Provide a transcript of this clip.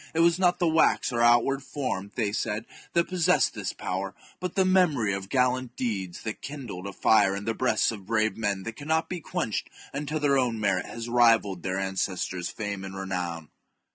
It was not the wax or outward form, they said, that possessed this power, but the memory of gallant deeds that THE JUGURTHINE WAR. 12$ kindled a fire in the breasts of brave men that cannot chap. IV. be quenched until their own merit has rivalled their ancestors' fame and renown.